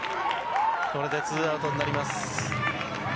これでツーアウトになります。